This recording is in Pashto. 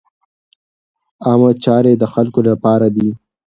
عامه چارې د خلکو له پاره دي.